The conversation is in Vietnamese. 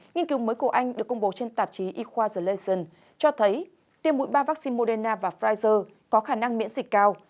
nghiên cứu mới của anh được công bố trên tạp chí equalization cho thấy tiêm mũi ba vắc xin moderna và pfizer có khả năng miễn dịch cao